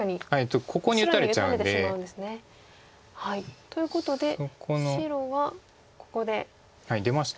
ここに打たれちゃうんで。ということで白はここで出ました。